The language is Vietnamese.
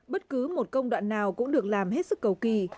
bất cứ một công đoạn nào cũng được làm hết sức cầu kỳ